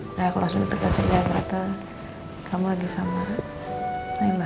nah aku langsung ditegak sehingga ternyata kamu lagi sama layla